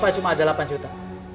cuma ada delapan juta